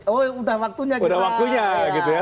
oh sudah waktunya kita sudah waktunya